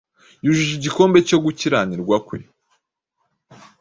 yujuje igikombe cyo gukiranirwa kwe